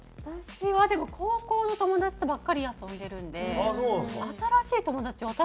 私はでも高校の友達とばっかり遊んでるんで新しい友達私もいないんです